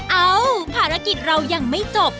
เอ้าภารกิจเรายังไม่จบ